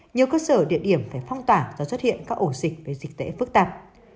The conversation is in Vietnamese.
nhiều cơ sở địa điểm phải phong tỏa do xuất hiện các ổ dịch về dịch tễ phức tạp